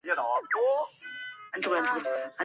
尖齿毛木荷为山茶科木荷属下的一个变种。